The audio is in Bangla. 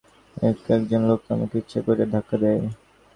আর একবার ঐ মেলাতেই আর একজন লোক আমাকে ইচ্ছা করিয়া ধাক্কা দেয়।